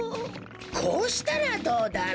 こうしたらどうだろう？